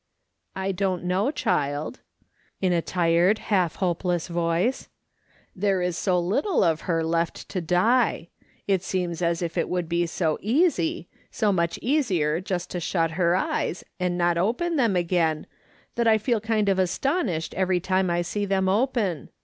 "I don't know, child," in a tired, half hopeless voice ;" there is so little of her left to die ; it seems as if it would be so easy, so much easier just to shut her eyes and not open them again, that I feel kind of astonished every time I see them open.